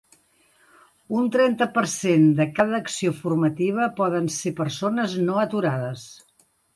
Un trenta per cent de cada acció formativa poden ser persones no aturades.